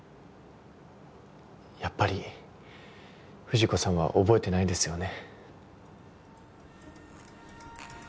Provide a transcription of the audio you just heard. やっぱり藤子さんは覚えてないですよね。